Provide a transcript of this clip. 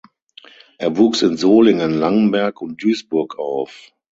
Er wuchs in Solingen, Langenberg und Duisburg auf.